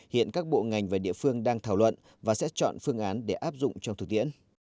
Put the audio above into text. hiện các bộ ngành và địa phương đang thảo luận và sẽ chọn phương án để áp dụng trong thực tiễn